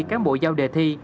cán bộ giao đề thi